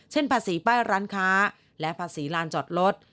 ภาษีป้ายร้านค้าและภาษีลานจอดรถ